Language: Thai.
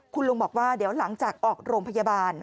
คุณลุงบอกว่าเดี๋ยวหลังจากออกโรงพยาบาล